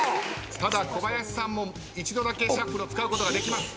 ただ小林さんも一度だけシャッフルを使うことができます。